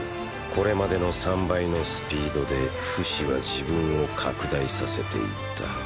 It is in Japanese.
これまでの３倍のスピードでフシは自分を拡大させていった。